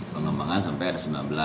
pengembangan sampai ada sembilan belas